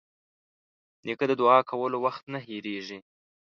نیکه د دعا کولو وخت نه هېرېږي.